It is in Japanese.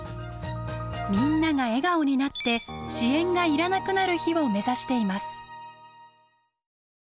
みんなが笑顔になって支援がいらなくなる日を目指しています。